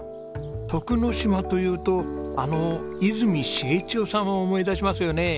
徳之島というとあの泉重千代さんを思い出しますよね。